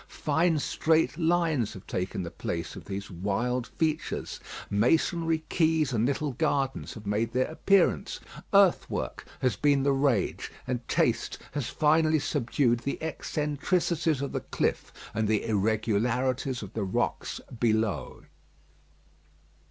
Fine, straight lines have taken the place of these wild features; masonry, quays, and little gardens, have made their appearance; earthwork has been the rage, and taste has finally subdued the eccentricities of the cliff, and the irregularities of the rocks below.